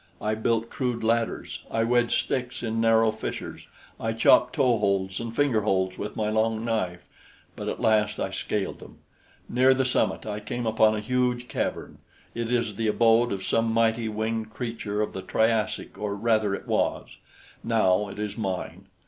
I built crude ladders; I wedged sticks in narrow fissures; I chopped toe holds and finger holds with my long knife; but at last I scaled them. Near the summit I came upon a huge cavern. It is the abode of some mighty winged creature of the Triassic or rather it was. Now it is mine.